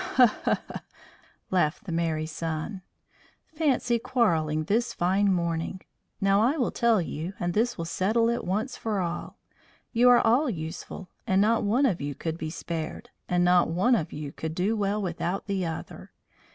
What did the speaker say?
"Ho! ho! ho!" laughed the merry sun. "Fancy quarrelling this fine morning! Now I will tell you, and this will settle it once for all. You are all useful, and not one of you could be spared, and not one of you could do well without the other.